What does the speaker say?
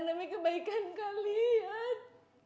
demi kebaikan kalian